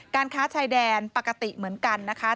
ค้าชายแดนปกติเหมือนกันนะคะ